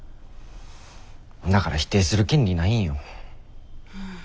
だから否定する権利ないんよ。